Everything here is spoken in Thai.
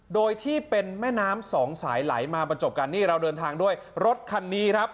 โดยที่เป็นแม่น้ำสองสายไหลมาประจบกันนี่เราเดินทางด้วยรถคันนี้ครับ